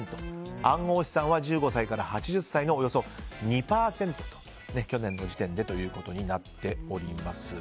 暗号資産は１５歳から８０歳のおよそ２％去年の時点でとなっております。